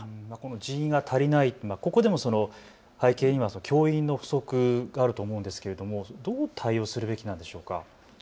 人員が足りない、ここでも背景には教員の不足があると思うんですが、どう対応するべきなんでしょうか。